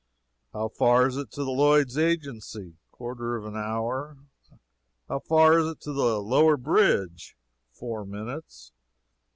"How far is it to the Lloyds' Agency?" "Quarter of an hour." "How far is it to the lower bridge?" "Four minutes."